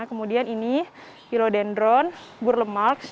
kemudian ini hilodendron burlemalks